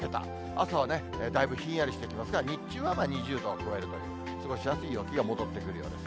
朝はだいぶひんやりしてきますが、日中は２０度を超えるという、過ごしやすい陽気が戻ってくるようです。